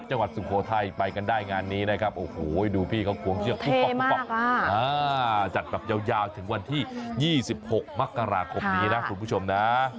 จังหวัดสุโคไทยไปกันได้งานนี้นะครับโอ้โหดูภี่เค้าขวงเชือกทุกจัดการยาวถึงวันที่๒๖มักราคมนี้นะคุณผู้ชมนะ